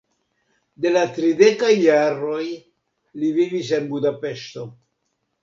De la tridekaj jaroj li vivis en Budapeŝto.